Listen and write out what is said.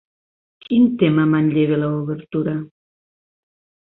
Quin tema manlleva l'obertura?